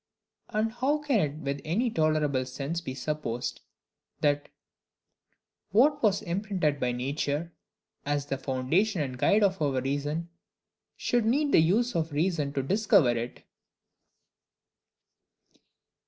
And how can it with any tolerable sense be supposed, that what was imprinted by nature, as the foundation and guide of our reason, should need the use of reason to discover it?